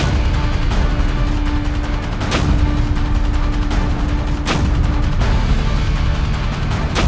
manusia yang hidup